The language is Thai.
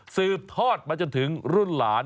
สืบทอดมาจนถึงรุ่นหลาน